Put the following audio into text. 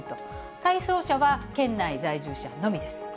対象者は県内在住者のみです。